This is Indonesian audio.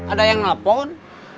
ada yang nelfon